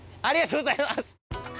ありがとうございます！